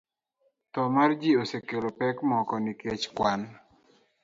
Tho mar ji osekelo pek moko nikech kwan